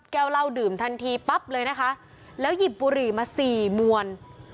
แก้วเหล้าดื่มทันทีปั๊บเลยนะคะแล้วหยิบบุหรี่มาสี่มวล